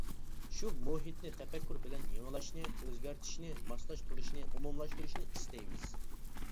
شۇ مۇھىتنى تەپەككۇر بىلەن يېڭىلاشنى، ئۆزگەرتىشنى، ماسلاشتۇرۇشنى، ئومۇملاشتۇرۇشنى ئىستەيمىز.